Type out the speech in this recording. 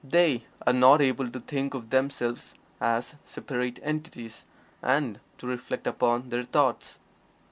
They are not able to think of themselves as separate entities, and to reflect upon their thoughts.